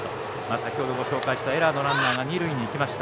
先ほども紹介したエラーのランナーが二塁にいきました。